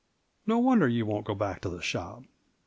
No wonder you won't go back to the shop."